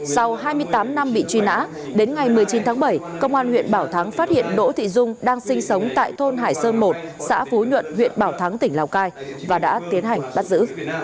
sau hai mươi tám năm bị truy nã đến ngày một mươi chín tháng bảy công an huyện bảo thắng phát hiện đỗ thị dung đang sinh sống tại thôn hải sơn một xã phú nhuận huyện bảo thắng tỉnh lào cai và đã tiến hành bắt giữ